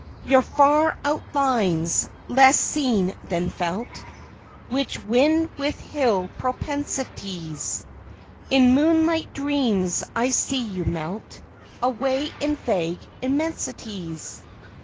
Your far outlines, less seen than felt, Which wind with hill propensities, In moonlight dreams I see you melt Away in vague immensities.